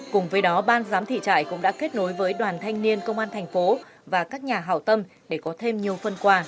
cùng với đó ban giám thị trại cũng đã kết nối với đoàn thanh niên công an tp và các nhà hào tâm để có thêm nhiều phân quà